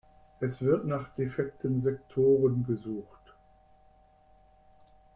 Es wird nach defekten Sektoren gesucht.